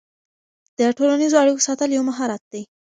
د ټولنیزو اړیکو ساتل یو مهارت دی.